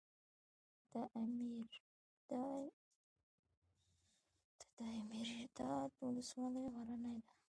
د دایمیرداد ولسوالۍ غرنۍ ده